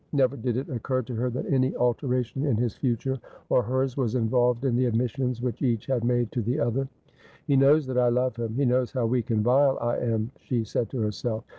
Never did it occur to her that any alteration in his future or 'I may not don as every Ploughman may! 295 hers was involved in the admissions which each had made to the other. ' He knows that I love him ; he knows how weak and vile I am,' she said to herself.